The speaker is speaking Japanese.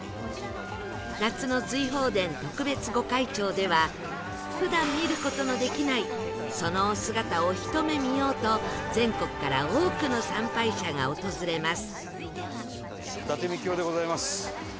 夏の瑞鳳殿特別御開帳では普段見る事のできないそのお姿をひと目見ようと全国から多くの参拝者が訪れます